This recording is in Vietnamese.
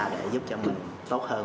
để giúp cho mình tốt hơn